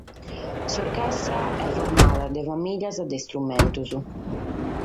S’orchestra est formada dae famìlias de istrumentos.